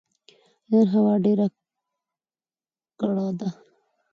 نن هوا ډيره کړه ده